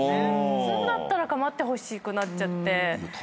普通だったら構ってほしくなっちゃって。